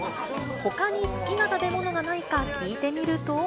ほかに好きな食べ物がないか聞いてみると。